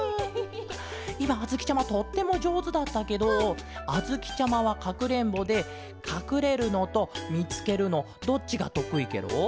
いまあづきちゃまとってもじょうずだったけどあづきちゃまはかくれんぼでかくれるのとみつけるのどっちがとくいケロ？